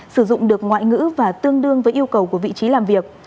sử dụng được ngoại ngữ và tương đương với yêu cầu của vị trí làm việc